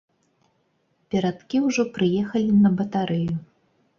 Перадкі ўжо прыехалі на батарэю.